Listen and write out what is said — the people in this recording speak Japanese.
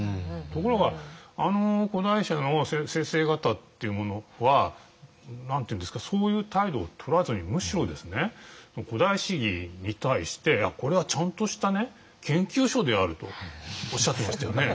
ところがあの古代史の先生方っていうのはそういう態度をとらずにむしろ「古代史疑」に対してこれはちゃんとした研究書であるとおっしゃってましたよね。